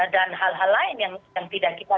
dan hal hal lain yang tidak kita